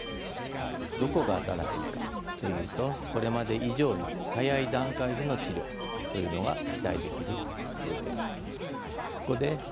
どこが新しいかというとこれまで以上に早い段階での治療というのが期待できるという点です。